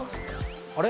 あれ？